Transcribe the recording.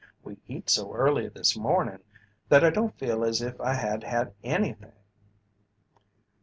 We eat so early this morning that I don't feel as if I had had anything."